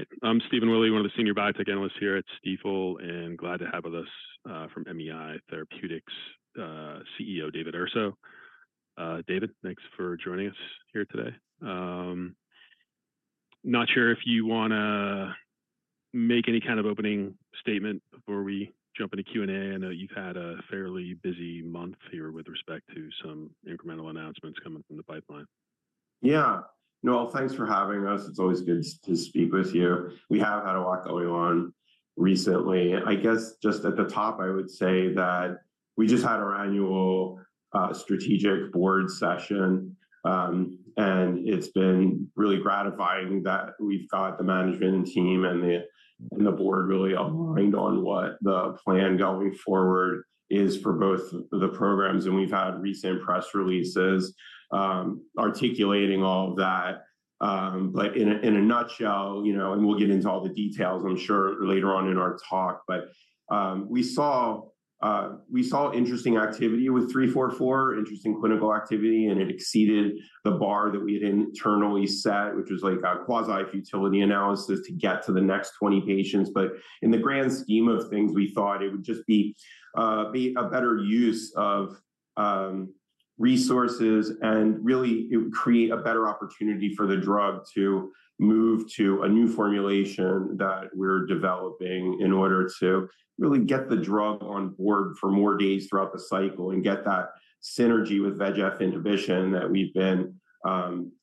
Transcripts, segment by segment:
All right. I'm Stephen Willey, one of the senior biotech analysts here at Stifel, and glad to have with us from MEI Therapeutics, CEO David Urso. David, thanks for joining us here today. Not sure if you wanna make any kind of opening statement before we jump into Q&A. I know you've had a fairly busy month here with respect to some incremental announcements coming from the pipeline. Yeah. No, thanks for having us. It's always good to, to speak with you. We have had a lot going on recently. I guess just at the top, I would say that we just had our annual, strategic board session. And it's been really gratifying that we've got the management team and the, and the board really aligned on what the plan going forward is for both the programs, and we've had recent press releases, articulating all of that. But in a, in a nutshell, you know, and we'll get into all the details, I'm sure, later on in our talk, but, we saw, we saw interesting activity with 344, interesting clinical activity, and it exceeded the bar that we had internally set, which was like a quasi-utility analysis to get to the next 20 patients. But in the grand scheme of things, we thought it would just be a better use of resources, and really it would create a better opportunity for the drug to move to a new formulation that we're developing in order to really get the drug on board for more days throughout the cycle, and get that synergy with VEGF inhibition that we've been,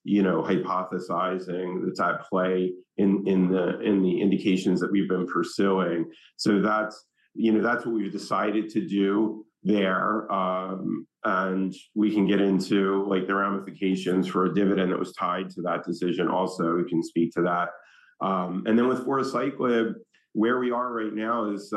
you know, hypothesizing that's at play in the indications that we've been pursuing. So that's, you know, that's what we've decided to do there. And we can get into, like, the ramifications for a dividend that was tied to that decision also, we can speak to that. And then with voruciclib, where we are right now is,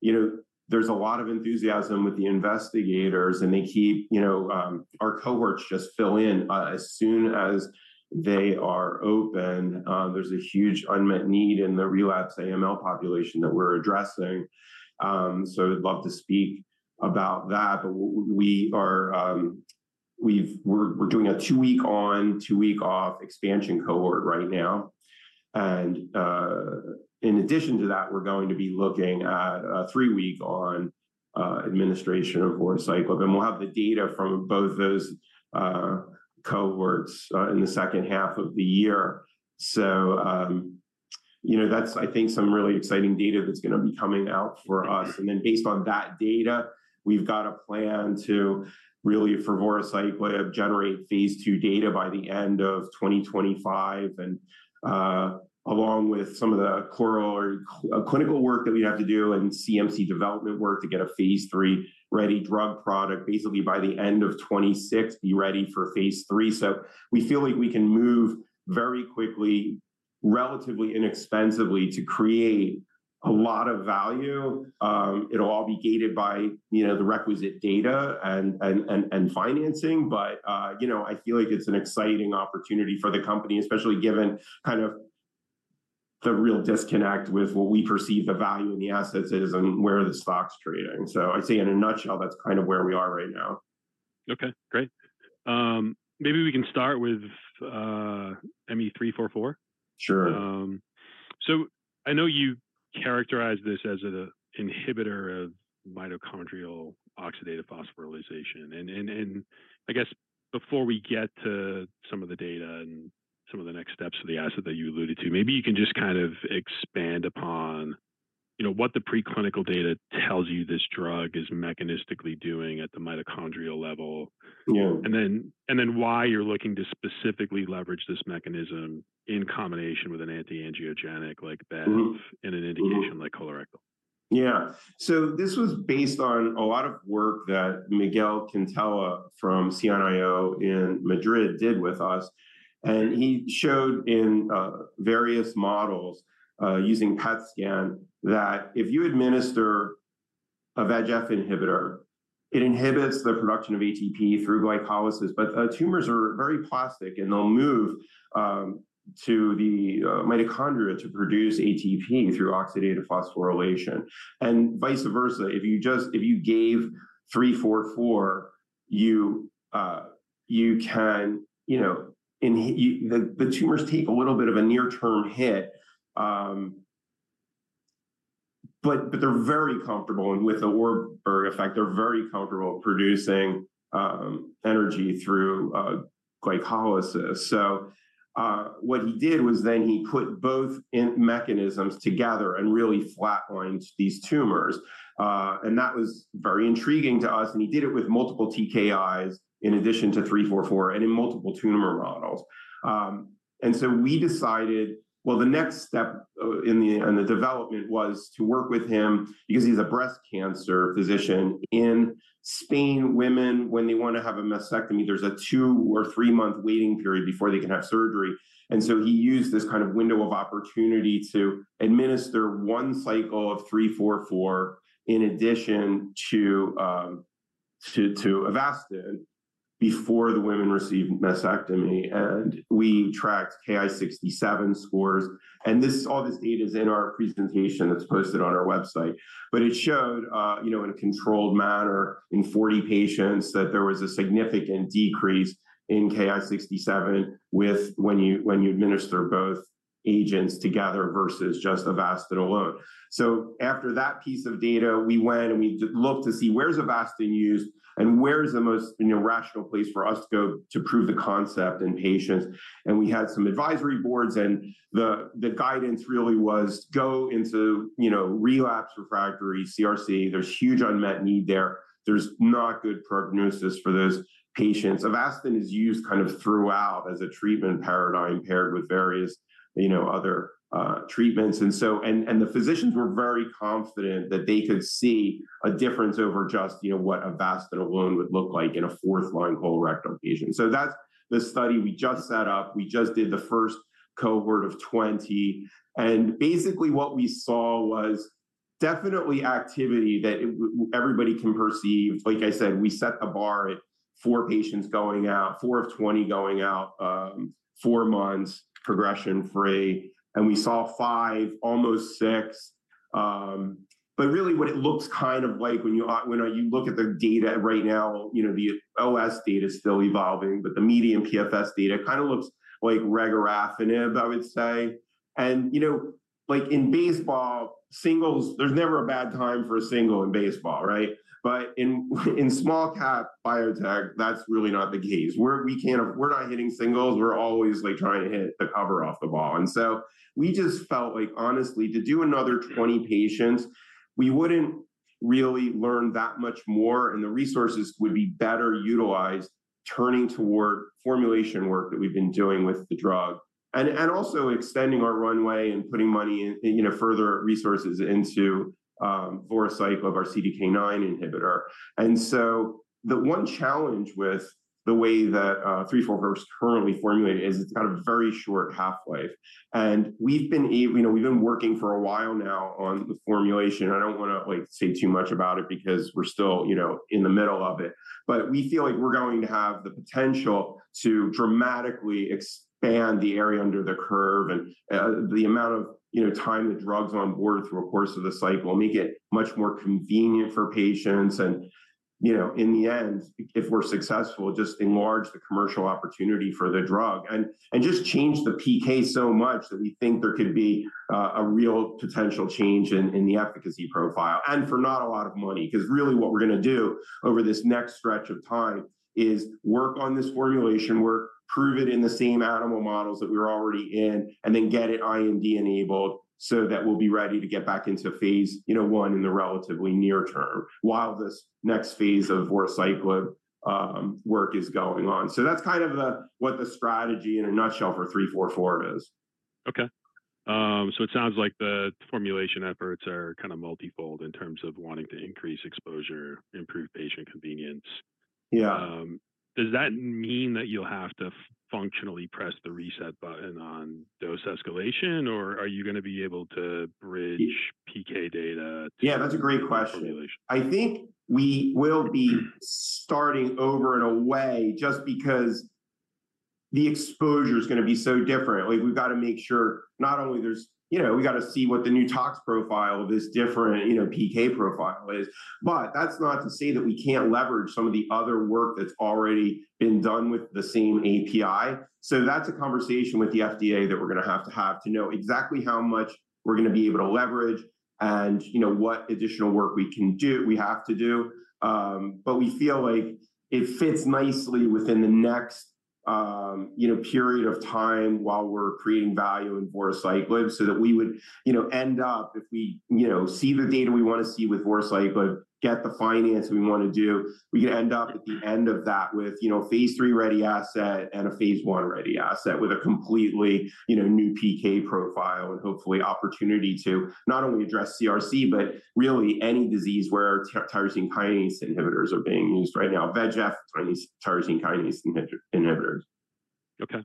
you know, there's a lot of enthusiasm with the investigators, and they keep, you know. Our cohorts just fill in as soon as they are open. There's a huge unmet need in the relapsed AML population that we're addressing. So I'd love to speak about that, but we are doing a two-week on, two-week off expansion cohort right now. In addition to that, we're going to be looking at a three-week on administration of voruciclib, and we'll have the data from both those cohorts in the second half of the year. So you know, that's, I think, some really exciting data that's gonna be coming out for us. And then based on that data, we've got a plan to really, for voruciclib, generate phase II data by the end of 2025. And along with some of the core clinical work that we have to do and CMC development work to get a phase III-ready drug product, basically by the end of 2026, be ready for phase III. So we feel like we can move very quickly, relatively inexpensively to create a lot of value. It'll all be gated by, you know, the requisite data and financing. But you know, I feel like it's an exciting opportunity for the company, especially given kind of the real disconnect with what we perceive the value in the assets is and where the stock's trading. So I'd say in a nutshell, that's kind of where we are right now. Okay, great. Maybe we can start with ME-344. Sure. So I know you characterized this as an inhibitor of mitochondrial oxidative phosphorylation. And I guess before we get to some of the data and some of the next steps of the asset that you alluded to, maybe you can just kind of expand upon, you know, what the preclinical data tells you this drug is mechanistically doing at the mitochondrial level. Sure. And then why you're looking to specifically leverage this mechanism in combination with an anti-angiogenic like bev- Mm-hmm In an indication- Mm-hmm Like colorectal? Yeah. So this was based on a lot of work that Miguel Quintela-Fandino from CNIO in Madrid did with us, and he showed in various models using PET scan, that if you administer a VEGF inhibitor, it inhibits the production of ATP through glycolysis. But tumors are very plastic, and they'll move to the mitochondria to produce ATP through oxidative phosphorylation. And vice versa, if you just, if you gave 344, you can, you know, the tumors take a little bit of a near-term hit, but they're very comfortable, and with the Warburg effect, they're very comfortable producing energy through glycolysis. So, what he did was then he put both end mechanisms together and really flatlined these tumors. That was very intriguing to us, and he did it with multiple TKIs in addition to 344 and in multiple tumor models. And so we decided. Well, the next step in the development was to work with him because he's a breast cancer physician. In Spain, women, when they want to have a mastectomy, there's a two- or three-month waiting period before they can have surgery, and so he used this kind of window of opportunity to administer one cycle of 344 in addition to Avastin before the women received mastectomy, and we tracked Ki-67 scores. And this, all this data is in our presentation that's posted on our website. But it showed, you know, in a controlled manner in 40 patients, that there was a significant decrease in Ki-67 when you, when you administer both agents together versus just Avastin alone. So after that piece of data, we went, and we looked to see where's Avastin used, and where's the most, you know, rational place for us to go to prove the concept in patients? And we had some advisory boards, and the, the guidance really was go into, you know, relapsed/refractory CRC. There's huge unmet need there. There's not good prognosis for those patients. Avastin is used kind of throughout as a treatment paradigm paired with various, you know, other, treatments, and so. And, and the physicians were very confident that they could see a difference over just, you know, what Avastin alone would look like in a fourth-line colorectal patient. So that's the study we just set up. We just did the first cohort of 20, and basically what we saw was definitely activity that everybody can perceive. Like I said, we set the bar at four patients going out, four of 20 going out, four months progression free, and we saw five, almost six. But really what it looks kind of like when you look at the data right now, you know, the OS data is still evolving, but the median PFS data kind of looks like regorafenib, I would say. And, you know, like in baseball, singles, there's never a bad time for a single in baseball, right? But in small-cap biotech, that's really not the case, where we can't. We're not hitting singles. We're always, like, trying to hit the cover off the ball. We just felt like, honestly, to do another 20 patients, we wouldn't really learn that much more, and the resources would be better utilized turning toward formulation work that we've been doing with the drug. Also, extending our runway and putting money in, you know, further resources into voruciclib, our CDK9 inhibitor. So, the one challenge with the way that 344 is currently formulated is it's got a very short half-life, and you know, we've been working for a while now on the formulation. I don't wanna, like, say too much about it because we're still, you know, in the middle of it, but we feel like we're going to have the potential to dramatically expand the area under the curve and the amount of, you know, time the drug's on board through a course of the cycle, and make it much more convenient for patients. And, you know, in the end, if we're successful, just enlarge the commercial opportunity for the drug. And just change the PK so much that we think there could be a real potential change in the efficacy profile, and for not a lot of money. 'Cause really what we're gonna do over this next stretch of time is work on this formulation, prove it in the same animal models that we're already in, and then get it IND-enabled so that we'll be ready to get back into phase I, you know, in the relatively near term, while this next phase of voruciclib work is going on. So that's kind of the, what the strategy in a nutshell for 344 is. Okay. So it sounds like the formulation efforts are kind of multifold in terms of wanting to increase exposure, improve patient convenience. Yeah. Does that mean that you'll have to functionally press the reset button on dose escalation, or are you gonna be able to bridge PK data to- Yeah, that's a great question. Formulation. I think we will be starting over in a way just because the exposure's gonna be so different. Like, we've gotta make sure not only there's, you know, we've gotta see what the new tox profile of this different, you know, PK profile is. But that's not to say that we can't leverage some of the other work that's already been done with the same API. So that's a conversation with the FDA that we're gonna have to have, to know exactly how much we're gonna be able to leverage and, you know, what additional work we can do, we have to do. But we feel like it fits nicely within the next, you know, period of time while we're creating value in voruciclib, so that we would, you know, end up, if we, you know, see the data we wanna see with voruciclib, get the finance we wanna do, we could end up at the end of that with, you know, phase III-ready asset and a phase I-ready asset with a completely, you know, new PK profile, and hopefully opportunity to not only address CRC, but really any disease where tyrosine kinase inhibitors are being used right now. VEGF are these tyrosine kinase inhibitors. Okay.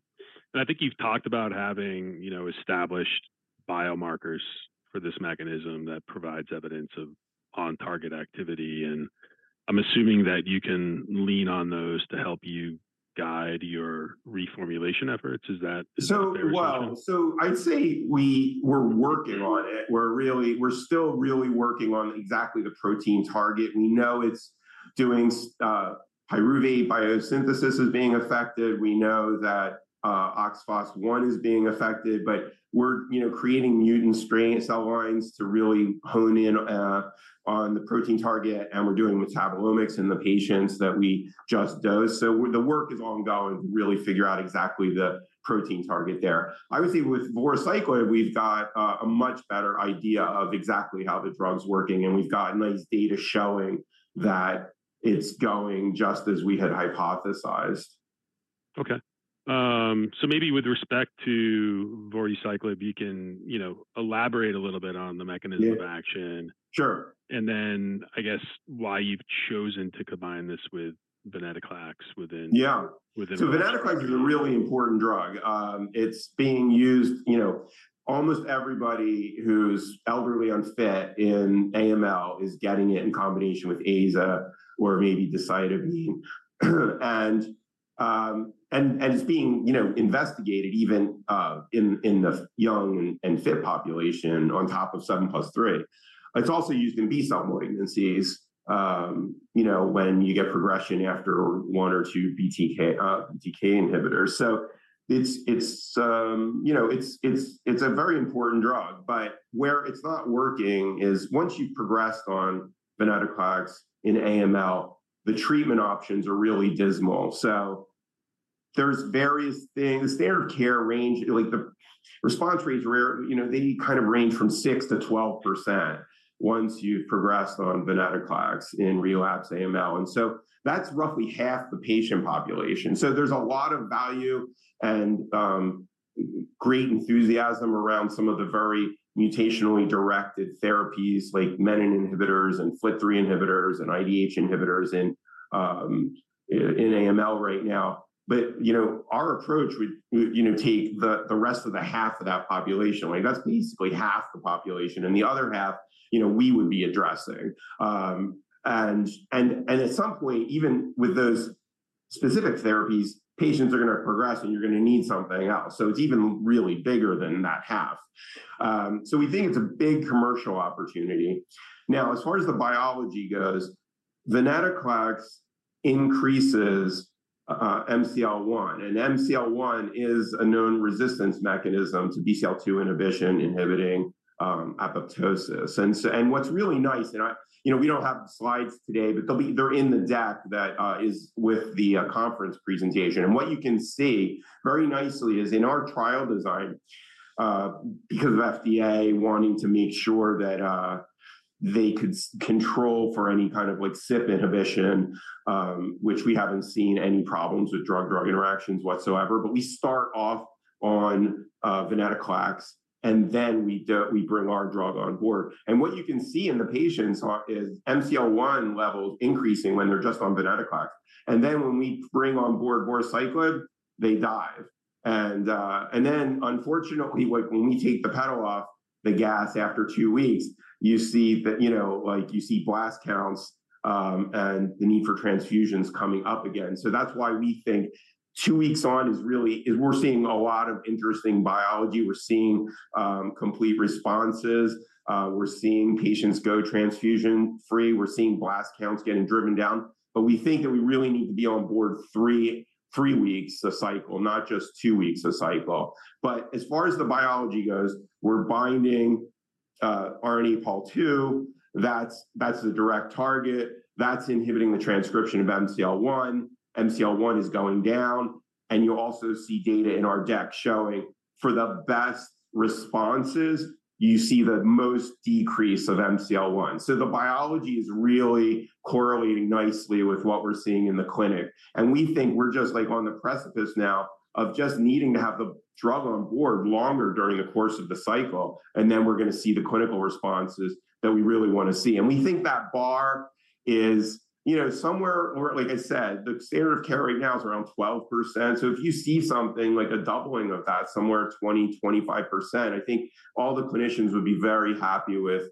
And I think you've talked about having, you know, established biomarkers for this mechanism that provides evidence of on-target activity, and I'm assuming that you can lean on those to help you guide your reformulation efforts. Is that a fair assumption? I'd say we're working on it. We're still really working on exactly the protein target. We know it's doing pyruvate biosynthesis is being affected. We know that OXPHOS 1 is being affected, but we're, you know, creating mutant strain cell lines to really hone in on the protein target, and we're doing metabolomics in the patients that we just dosed. So the work is ongoing to really figure out exactly the protein target there. I would say with voruciclib, we've got a much better idea of exactly how the drug's working, and we've got nice data showing that it's going just as we had hypothesized. Okay. So maybe with respect to voruciclib, you can, you know, elaborate a little bit on the mechanism- Yeah Of action. Sure. And then, I guess, why you've chosen to combine this with venetoclax within- Yeah. Within the formulation. So venetoclax is a really important drug. It's being used, you know. Almost everybody who's elderly unfit in AML is getting it in combination with aza or maybe decitabine. It's being, you know, investigated even in the young and fit population on top of 7+3. It's also used in B-cell malignancies, you know, when you get progression after one or two BTK TK inhibitors. So it's a very important drug, but where it's not working is once you've progressed on venetoclax in AML, the treatment options are really dismal. So there's various things, standard of care range, like the response rates rarely you know, they kind of range from 6%-12% once you've progressed on venetoclax in relapse AML, and so that's roughly half the patient population. So there's a lot of value and great enthusiasm around some of the very mutationally directed therapies like Menin inhibitors and FLT3 inhibitors and IDH inhibitors in AML right now. But, you know, our approach would, you know, take the rest of the half of that population. Like, that's basically half the population, and the other half, you know, we would be addressing. And at some point, even with those specific therapies, patients are gonna progress, and you're gonna need something else, so it's even really bigger than that half. So we think it's a big commercial opportunity. Now, as far as the biology goes, venetoclax increases MCL-1, and MCL-1 is a known resistance mechanism to BCL-2 inhibition, inhibiting apoptosis. And so. And what's really nice, you know, we don't have the slides today, but they're in the deck that is with the conference presentation. And what you can see very nicely is in our trial design, because of FDA wanting to make sure that they could control for any kind of like CYP inhibition, which we haven't seen any problems with drug-drug interactions whatsoever, but we start off on venetoclax, and then we bring our drug on board. And what you can see in the patients is MCL-1 levels increasing when they're just on venetoclax, and then when we bring on board voruciclib, they dive. Then, unfortunately, like when we take the pedal off the gas after two weeks, you see that, you know, like you see blast counts, and the need for transfusions coming up again. So that's why we think 2 weeks on is really. We're seeing a lot of interesting biology. We're seeing complete responses, we're seeing patients go transfusion-free, we're seeing blast counts getting driven down. But we think that we really need to be on board three, three weeks a cycle, not just two weeks a cycle. But as far as the biology goes, we're binding RNA Pol II. That's the direct target. That's inhibiting the transcription of MCL-1. MCL-1 is going down, and you also see data in our deck showing, for the best responses, you see the most decrease of MCL-1. So the biology is really correlating nicely with what we're seeing in the clinic, and we think we're just, like, on the precipice now of just needing to have the drug on board longer during the course of the cycle, and then we're gonna see the clinical responses that we really wanna see. And we think that bar is, you know, somewhere, or like I said, the standard of care right now is around 12%. So if you see something like a doubling of that, somewhere 20%-25%, I think all the clinicians would be very happy with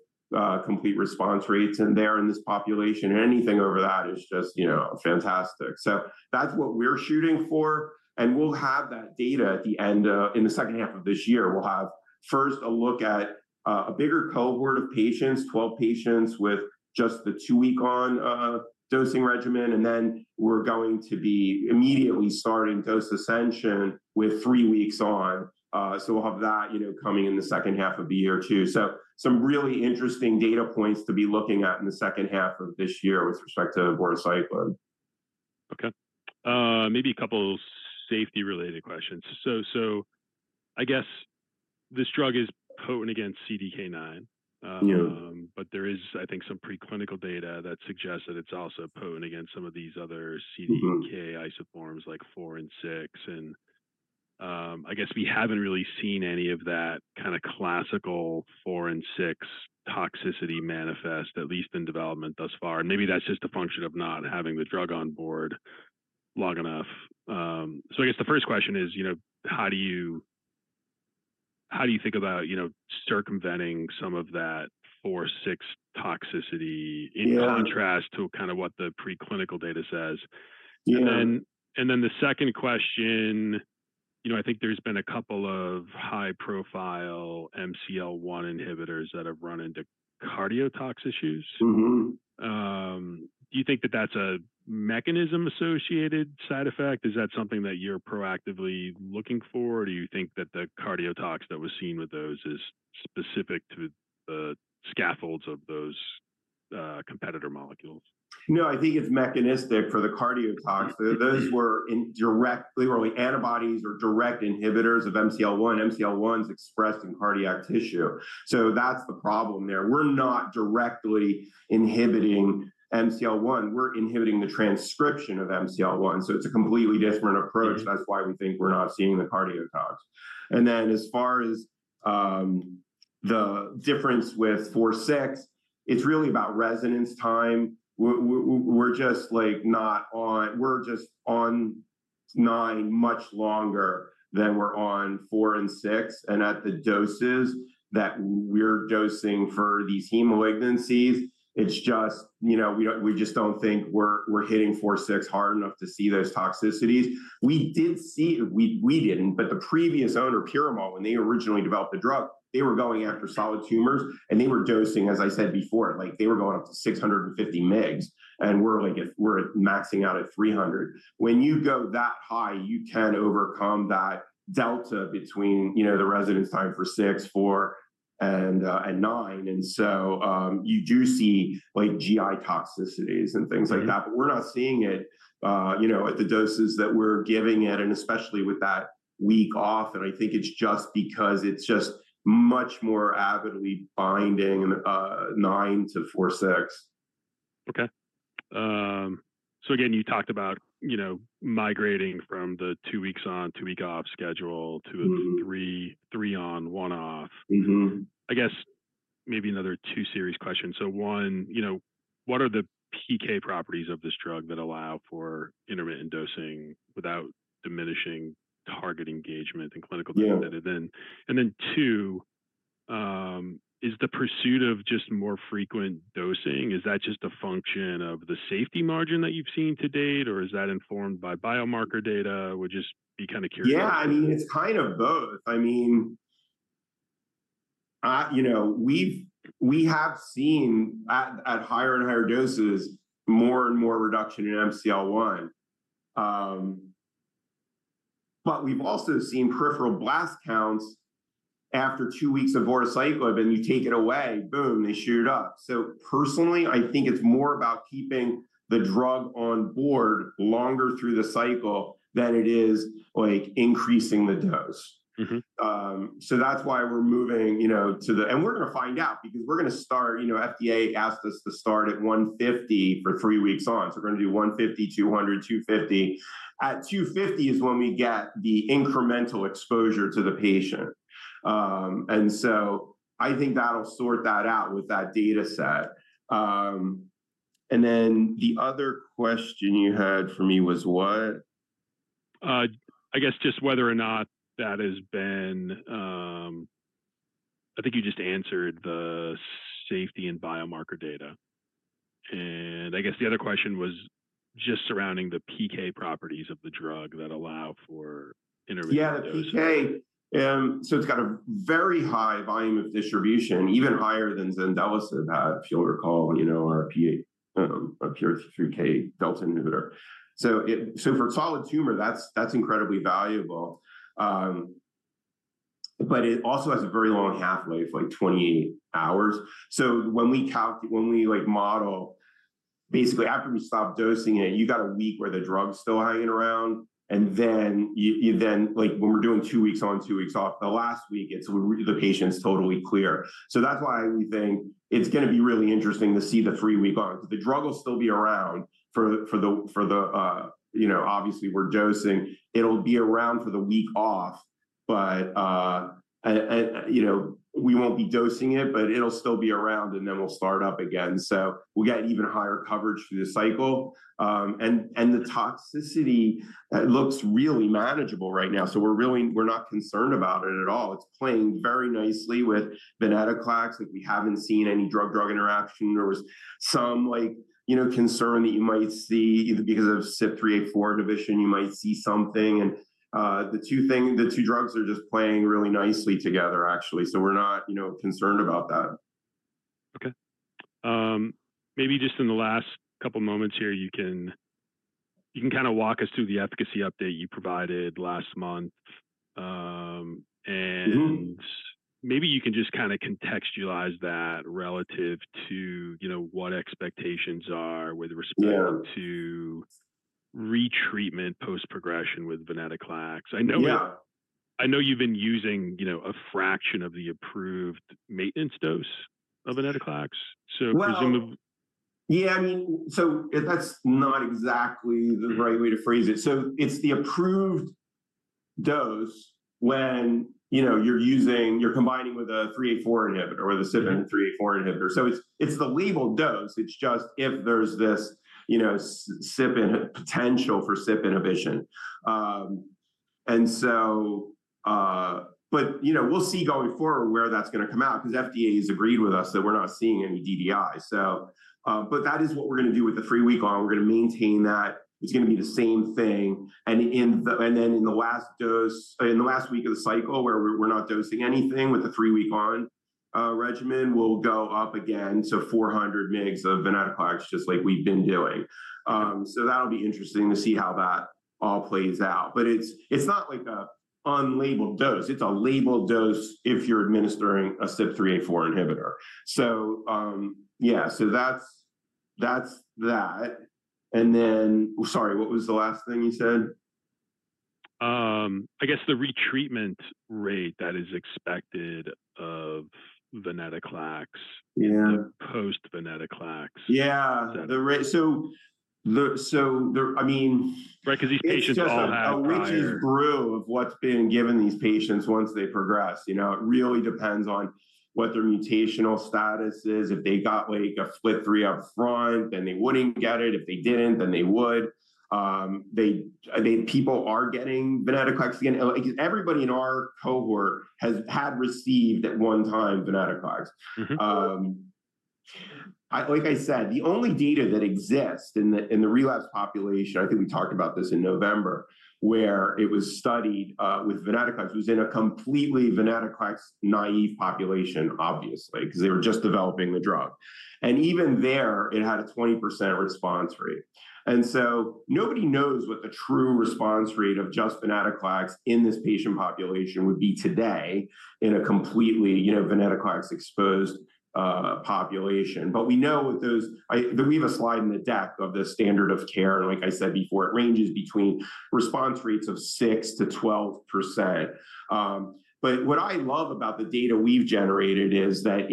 complete response rates in there in this population, and anything over that is just, you know, fantastic. So that's what we're shooting for, and we'll have that data at the end in the second half of this year. We'll have first a look at a bigger cohort of patients, 12 patients with just the two-week on dosing regimen, and then we're going to be immediately starting dose escalation with three weeks on. So we'll have that, you know, coming in the second half of the year, too. So some really interesting data points to be looking at in the second half of this year with respect to voruciclib. Okay. Maybe a couple safety-related questions. So, I guess this drug is potent against CDK9. Yeah. But there is, I think, some preclinical data that suggests that it's also potent against some of these other- Mm-hmm CDK isoforms, like four and six, and, I guess we haven't really seen any of that kind of classical four and six toxicity manifest, at least in development thus far. And maybe that's just a function of not having the drug on board long enough. So I guess the first question is, you know, how do you think about, you know, circumventing some of that four, six toxicity- Yeah In contrast to kind of what the preclinical data says? Yeah. And then the second question: you know, I think there's been a couple of high-profile MCL-1 inhibitors that have run into cardiotox issues. Mm-hmm. Do you think that that's a mechanism-associated side effect? Is that something that you're proactively looking for, or do you think that the cardiotox that was seen with those is specific to the scaffolds of those, competitor molecules? No, I think it's mechanistic for the cardiotox. Mm-hmm. Those were only antibodies or direct inhibitors of MCL-1. MCL-1's expressed in cardiac tissue, so that's the problem there. We're not directly inhibiting MCL-1, we're inhibiting the transcription of MCL-1, so it's a completely different approach. Mm-hmm. That's why we think we're not seeing the cardiotox. And then as far as the difference with four, six, it's really about residence time. We're just, like, not on. We're just on nine much longer than we're on four and six, and at the doses that we're dosing for these hem malignancies, it's just, you know, we don't. We just don't think we're hitting four, six hard enough to see those toxicities. We did see. We didn't, but the previous owner, Piramal, when they originally developed the drug, they were going after solid tumors, and they were dosing, as I said before, like they were going up to 650 mgs, and we're like at. We're maxing out at 300. When you go that high, you can overcome that delta between, you know, the residence time for six, four, and nine. And so, you do see, like, GI toxicities and things like that. Mm-hmm. But we're not seeing it, you know, at the doses that we're giving it, and especially with that week off, and I think it's just because it's just much more avidly binding, nine to four, six. Okay. So again, you talked about, you know, migrating from the two weeks on, two week off schedule to- Mm-hmm A three, three on, 1 off. Mm-hmm. I guess maybe another two-part question. So one, you know, what are the PK properties of this drug that allow for intermittent dosing without diminishing target engagement and clinical benefit? Yeah. And then too, is the pursuit of just more frequent dosing, is that just a function of the safety margin that you've seen to date, or is that informed by biomarker data? Would just be kinda curious about. Yeah, I mean, it's kind of both. I mean, you know, we have seen at higher and higher doses, more and more reduction in MCL-1. But we've also seen peripheral blast counts after two weeks of voruciclib, and you take it away, boom, they shoot up. So personally, I think it's more about keeping the drug on board longer through the cycle than it is, like, increasing the dose. Mm-hmm. So that's why we're moving, you know, to the... And we're gonna find out because we're gonna start. You know, FDA asked us to start at 150 for three weeks on, so we're gonna do 150, 200, 250. At 250 is when we get the incremental exposure to the patient. And so I think that'll sort that out with that data set. And then the other question you had for me was what? I guess just whether or not that has been. I think you just answered the safety and biomarker data. I guess the other question was just surrounding the PK properties of the drug that allow for intermittent dosing. Yeah, the PK. So it's got a very high volume of distribution, even higher than zandelisib had, if you'll recall, you know, our PI3K, a pure PI3K delta inhibitor. So for solid tumor, that's incredibly valuable. But it also has a very long half-life of, like, 20 hours. So when we, like, model, basically, after we stop dosing it, you got a week where the drug's still hanging around, and then you, like, when we're doing two weeks on, two weeks off, the last week, it's the patient's totally clear. So that's why we think it's gonna be really interesting to see the three week on, because the drug will still be around for the. You know, obviously, we're dosing. It'll be around for the week off, but, and you know, we won't be dosing it, but it'll still be around, and then we'll start up again. So we get even higher coverage through the cycle, and the toxicity looks really manageable right now. So we're really- we're not concerned about it at all. It's playing very nicely with venetoclax, like, we haven't seen any drug-drug interaction. There was some, like, you know, concern that you might see, either because of CYP3A4 inhibition, you might see something, and the two drugs are just playing really nicely together, actually. So we're not, you know, concerned about that. Okay. Maybe just in the last couple of moments here, you can, you can kinda walk us through the efficacy update you provided last month. Mm-hmm Maybe you can just kinda contextualize that relative to, you know, what expectations are with respect- Yeah To retreatment post-progression with venetoclax. I know- Yeah I know you've been using, you know, a fraction of the approved maintenance dose of Venetoclax, so presumably- Well, yeah, I mean, so that's not exactly the right- Mm Way to phrase it. So it's the approved dose when, you know, you're combining with a CYP3A4 inhibitor or the CYP3A4- Mm CYP3A4 inhibitor. So it's, it's the legal dose. It's just if there's this, you know, CYP3A4 inhib- potential for CYP3A4 inhibition. And so... But, you know, we'll see going forward where that's gonna come out because FDA has agreed with us that we're not seeing any DDI. So, but that is what we're gonna do with the three-week-on, we're gonna maintain that. It's gonna be the same thing. And in the- and then in the last dose, in the last week of the cycle, where we're, we're not dosing anything with the three-week-on, regimen, will go up again to 400 mg of venetoclax, just like we've been doing. So that'll be interesting to see how that all plays out. But it's, it's not like a unlabeled dose. It's a labeled dose if you're administering a CYP3A4 inhibitor. So, yeah, so that's, that's that. And then, sorry, what was the last thing you said? I guess the retreatment rate that is expected of venetoclax- Yeah The post venetoclax. Yeah. So- So the, I mean- Right, 'cause these patients all have higher- Which is true? Of what's been given these patients once they progress. You know, it really depends on what their mutational status is. If they got, like, a FLT3 up front, then they wouldn't get it. If they didn't, then they would. I mean, people are getting venetoclax again. Like, everybody in our cohort had received at one time venetoclax. Mm-hmm. Like I said, the only data that exists in the relapse population, I think we talked about this in November, where it was studied with venetoclax, it was in a completely venetoclax-naive population, obviously, 'cause they were just developing the drug. And even there, it had a 20% response rate. And so nobody knows what the true response rate of just venetoclax in this patient population would be today in a completely, you know, venetoclax-exposed population. But we know with those, we have a slide in the deck of the standard of care, and like I said before, it ranges between response rates of 6%-12%. But what I love about the data we've generated is that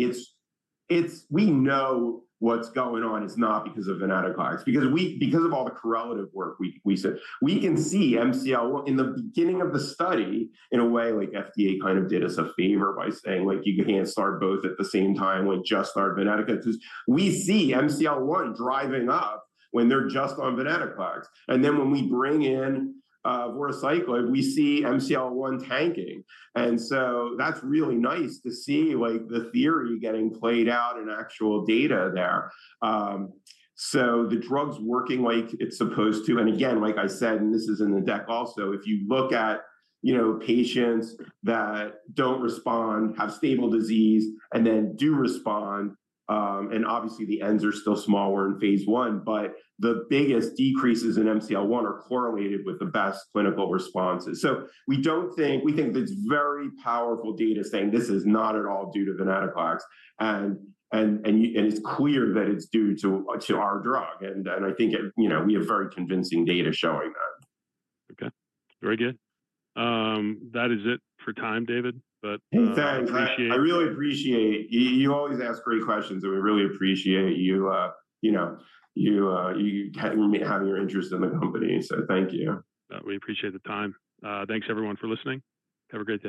it's we know what's going on is not because of venetoclax. Because of all the correlative work we said, we can see MCL-1 in the beginning of the study, in a way, like FDA kind of did us a favor by saying, like, "You can't start both at the same time with just start venetoclax," 'cause we see MCL-1 driving up when they're just on venetoclax. And then when we bring in voruciclib, we see MCL-1 tanking, and so that's really nice to see, like, the theory getting played out in actual data there. So the drug's working like it's supposed to, and again, like I said, and this is in the deck also, if you look at, you know, patients that don't respond, have stable disease, and then do respond, and obviously the ends are still smaller in phase I, but the biggest decreases in MCL-1 are correlated with the best clinical responses. So we think that it's very powerful data saying this is not at all due to venetoclax, and it's clear that it's due to our drug. And I think, you know, we have very convincing data showing that. Okay. Very good. That is it for time, David, but- Hey, thanks. I appreciate it. I really appreciate it. You always ask great questions, and we really appreciate you, you know, having your interest in the company, so thank you. We appreciate the time. Thanks everyone for listening. Have a great day.